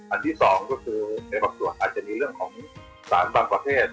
อันที่สองก็คือในบางส่วนอาจจะมีเรื่องของสารบางประเภท